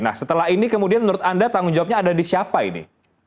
nah setelah ini kemudian menurut anda tanggung jawabnya ada di siapa ini